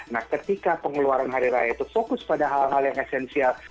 nah ketika pengeluaran hari raya itu fokus pada hal hal yang esensial